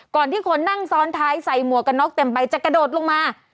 ก่อนที่คนนั่งซ้อนท้ายใส่มัวกะน๊อกเต็มไปจะกระโดดลงมา